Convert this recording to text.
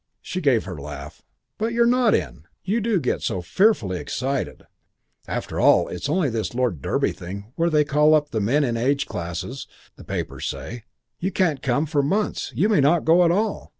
She gave her laugh. "But you're not in. You do get so fearfully excited. After all, it's only this Lord Derby thing where they call the men up in age classes, the papers say. Yours can't come for months. You may not go at all."